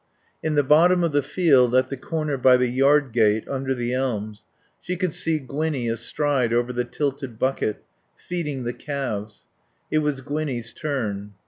In the bottom of the field, at the corner by the yard gate, under the elms, she could see Gwinnie astride over the tilted bucket, feeding the calves. It was Gwinnie's turn.